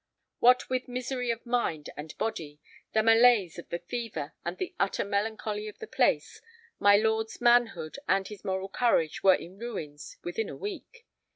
What with misery of mind and body, the malaise of the fever, and the utter melancholy of the place, my lord's manhood and his moral courage were in ruins within a week.